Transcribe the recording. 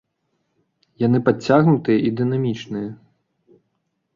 Яны падцягнутыя і дынамічныя.